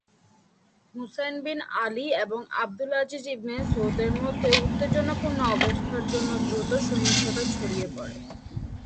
Hussain bin Ali এবং Abdul Aziz ibn সৌদের মধ্যে উত্তেজনাপূর্ণ অবস্থার জন্য দ্রুত সহিংসতা ছড়িয়ে পড়ে।